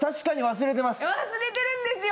忘れてるんですよ。